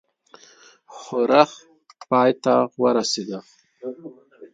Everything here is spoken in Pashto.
ښورښ پای ته ورسېدی.